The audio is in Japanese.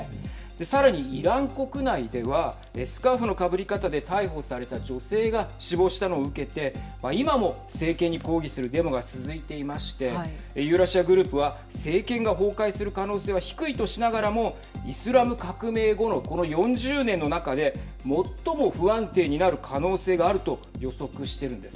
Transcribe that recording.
さらに、イラン国内ではスカーフのかぶり方で逮捕された女性が死亡したのを受けて今も政権に抗議するデモが続いていましてユーラシア・グループは政権が崩壊する可能性は低いとしながらもイスラム革命後のこの４０年の中で最も不安定になる可能性があると予測しているんです。